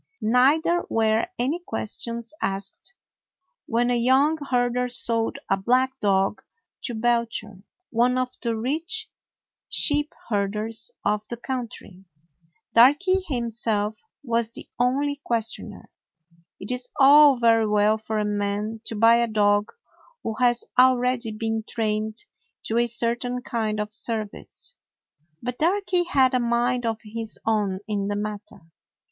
Neither were any questions asked when a young herder sold a black dog to Belcher, one of the rich sheep herders of the country. Darky himself was the only questioner. It is all very well for a man to buy a dog who has already been trained to a certain kind of service. But Darky had a mind of his own in the matter.